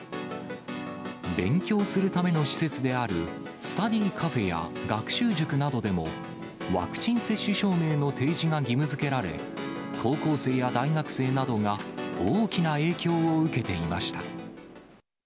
勉強するための施設である、スタディーカフェや学習塾などでも、ワクチン接種証明の提示が義務づけられ、高校生や大学生などが大きな影響を受けていました。